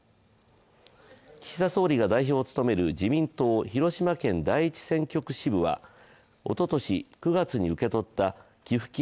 岸田総理が代表を務める自民党・広島県第１選挙区支部はおととし９月に受け取った寄付金